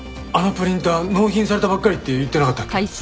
あのプリンター納品されたばっかりって言ってなかったっけ？